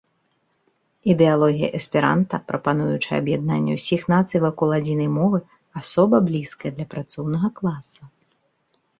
Ідэалогія эсперанта, прапануючая аб'яднанне ўсіх нацый вакол адзінай мовы, асоба блізкая да працоўнага класа.